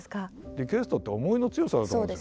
リクエストって思いの強さだと思うんですよ。